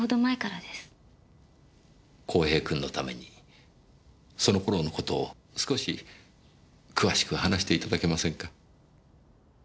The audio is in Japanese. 公平君のためにその頃の事を少し詳しく話していただけませんか。